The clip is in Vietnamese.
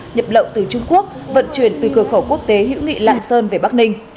nhập lậu từ trung quốc vận chuyển từ cửa khẩu quốc tế hữu nghị lạng sơn về bắc ninh